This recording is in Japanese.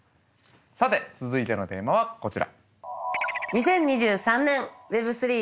さて続いてのテーマはこちら。